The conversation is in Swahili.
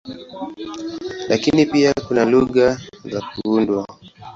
Lakini pia kuna lugha za kuundwa.